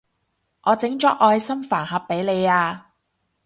我整咗愛心飯盒畀你啊